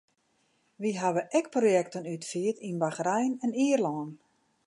Wy hawwe ek projekten útfierd yn Bachrein en Ierlân.